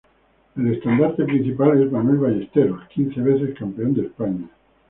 El estandarte principal es Manuel Ballesteros, quince veces campeón de España.